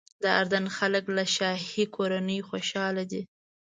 د اردن خلک له شاهي کورنۍ خوشاله دي.